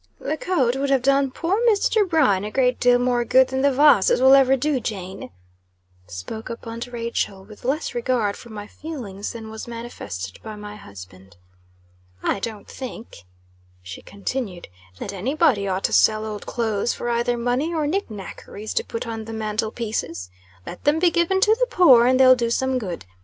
"The coat would have done poor Mr. Bryan a great deal more good than the vases will ever do Jane," spoke up aunt Rachel, with less regard for my feelings than was manifested by my husband. "I don't think," she continued, "that any body ought to sell old clothes for either money or nicknackeries to put on the mantle pieces. Let them be given to the poor, and they'll do some good.